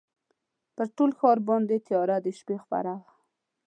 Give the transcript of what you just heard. پر ټول ښار باندي تیاره د شپې خپره وه